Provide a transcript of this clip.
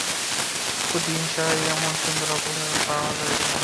প্রতিহিংসার এমন সুন্দর অবসর আর পাওয়া যাইবে না।